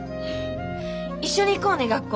一緒に行こうね学校。